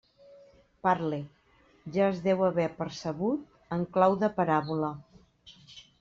Parle, ja es deu haver percebut, en clau de paràbola.